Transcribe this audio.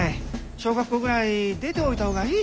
小学校ぐらい出ておいた方がいい。